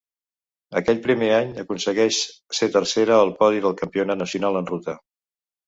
Aquell primer any, aconsegueix ser tercera al podi al Campionat nacional en ruta.